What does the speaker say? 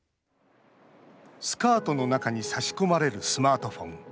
スカートの中に差し込まれるスマートフォン。